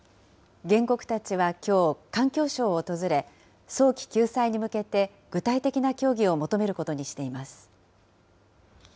原告たちはきょう、環境省を訪れ、早期救済に向けて具体的な協議を求めることにしています。